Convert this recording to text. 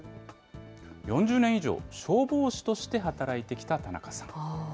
４０年以上、消防士として働いてきた田中さん。